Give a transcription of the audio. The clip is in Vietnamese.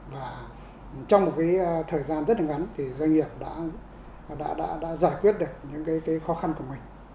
và trong một cái thời gian rất là ngắn thì doanh nghiệp đã giải quyết được những cái khó khăn của mình